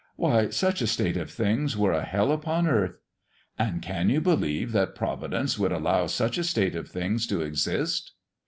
Why, such a state of things were a hell upon earth! And can you believe that Providence could allow such a state of things to exist?